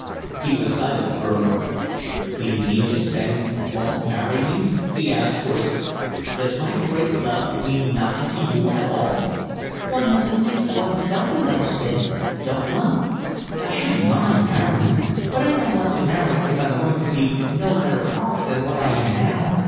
He was silent for a moment. "D'you mean to say you won't marry me?" he asked hoarsely. "Does my great love mean nothing to you at all?" "One has to think of oneself in those things, don't one? I shouldn't mind marrying, but I don't want to marry if I'm going to be no better off than what I am now.